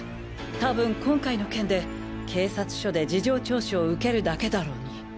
多分今回の件で警察署で事情聴取を受けるだけだろうに。